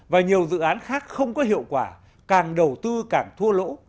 và nhiều dự án khác không có hiệu quả càng đầu tư càng thua lỗ